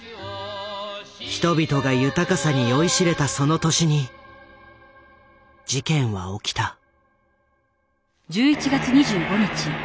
人々が豊かさに酔いしれたその年に事件は起きた。